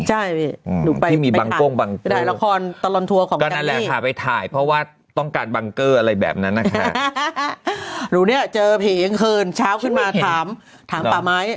ใช่นี่ดูไปต่างที่มีบังกล้วงเบ้รบ